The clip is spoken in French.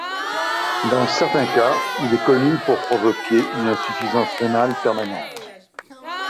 Dans certains cas, il est connu pour provoquer une insuffisance rénale permanente.